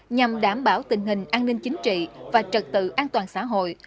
nhằm đảm bảo tình hình an ninh chính trị và trật tự an toàn xã hội